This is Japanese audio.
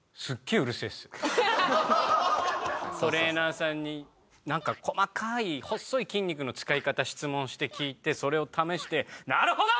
トレーナーさんになんか細かい細い筋肉の使い方質問して聞いてそれを試して「なるほど！！」っつって。